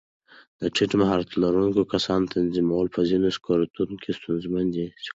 د ټیټ مهارت لرونکو کسانو تنظیمول په ځینو سکتورونو کې ستونزمن دي.